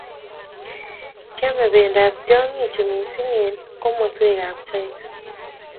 Kiame bendab tyong'ichu mising' eng' komoswekab China